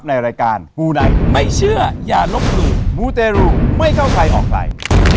ในรายการมูไนท์ไม่เชื่ออย่าลบหลู่มูเตรูไม่เข้าใครออกใคร